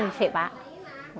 jadi bisa jadi keberatan